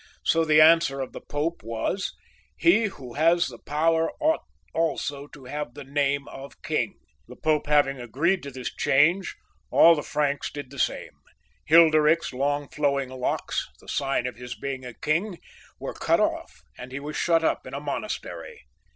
So the answer of the Pope was :" He who has the power, ought also to have the, name, of king. The Pope having agreed to this change, all the Franks did the same. Hilderik's long flowing locks, the sign of his being a king, were cut off, and he was shut up in a monastery.